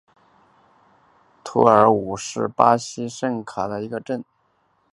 图尔武是巴西圣卡塔琳娜州的一个市镇。